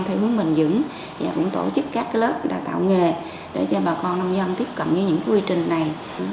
theo hướng bình dững và cũng tổ chức các lớp tạo nghề để cho bà con nông dân tiếp cận với những quy trình này